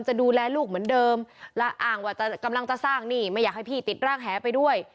จะดูแลลูกเหมือนเดิมและอ้างว่ากำลังจะสร้างนี่ไม่อยากให้พี่ติดร่างแหไปด้วย